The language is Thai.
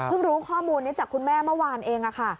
รู้ข้อมูลนี้จากคุณแม่เมื่อวานเอง